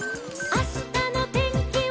「あしたのてんきは」